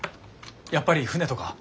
やっぱり船とか。